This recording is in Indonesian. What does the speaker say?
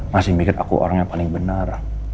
masih mikir aku orang yang paling benar